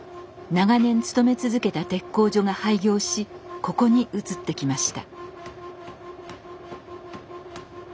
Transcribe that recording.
長年勤め続けた鉄工所が廃業しここに移ってきました。